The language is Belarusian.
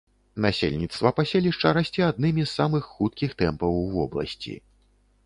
Насельніцтва паселішча расце аднымі з самых хуткіх тэмпаў у вобласці.